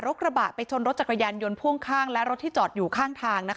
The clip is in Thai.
กระบะไปชนรถจักรยานยนต์พ่วงข้างและรถที่จอดอยู่ข้างทาง